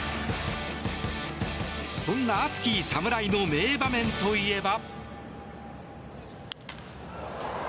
そんな熱き侍の名場面といえば。